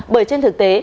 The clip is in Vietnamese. bởi trên thực tế